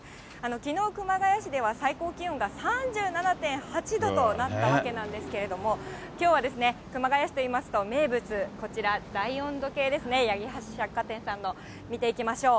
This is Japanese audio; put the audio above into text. きのう、熊谷市では最高気温が３７．８度となったわけなんですけれども、きょうは熊谷市といいますと、名物、こちら、大温度計ですね、八木橋百貨店さんの、見ていきましょう。